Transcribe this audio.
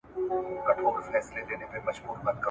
سپی را ولېږه چي دلته ما پیدا کړي ,